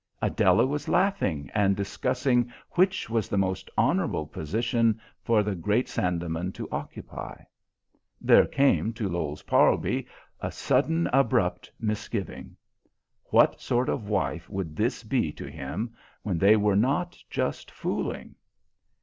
Adela was laughing, and discussing which was the most honourable position for the great Sandeman to occupy. There came to Lowes Parlby a sudden abrupt misgiving. What sort of wife would this be to him when they were not just fooling?